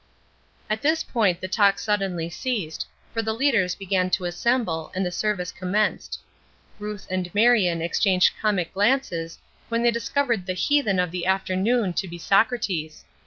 At this point the talk suddenly ceased, for the leaders began to assemble, and the service commenced. Ruth and Marion exchanged comic glances when they discovered the "heathen" of the afternoon to be Socrates.